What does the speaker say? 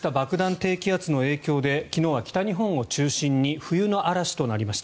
低気圧の影響で昨日は北日本を中心に冬の嵐となりました。